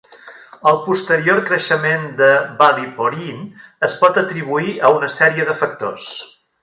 El posterior creixement de Ballyporeen es pot atribuir a una sèrie de factors.